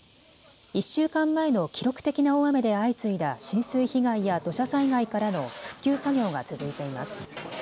１週間前の記録的な大雨で相次いだ浸水被害や土砂災害からの復旧作業が続いています。